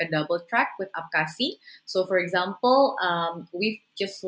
dan mencoba untuk melakukan perjalanan berdua dengan apkasi